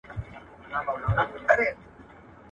د خاوند غيابت د بيلتون سبب ګرځي که نه؟